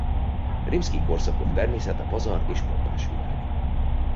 Rimszkij-Korszakov természete pazar és pompás világ.